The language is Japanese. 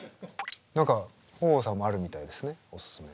何か豊豊さんもあるみたいですねおすすめ。